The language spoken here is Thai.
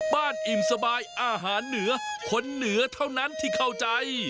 อิ่มสบายอาหารเหนือคนเหนือเท่านั้นที่เข้าใจ